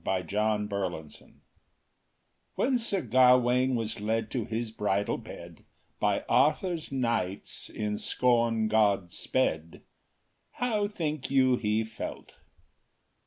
THE SONG OF COURTESY I WHEN Sir Gawain was led to his bridal bed, By Arthur’s knights in scorn God sped:— How think you he felt?